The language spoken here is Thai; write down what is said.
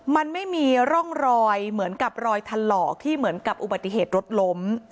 มันไม่มีร่องรอยเหมือนกับรอยถลอกที่เหมือนกับอุบัติเหตุรถล้ม